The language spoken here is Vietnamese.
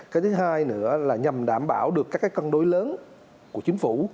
cái thứ hai nữa là nhằm đảm bảo được các cái cân đối lớn của chính phủ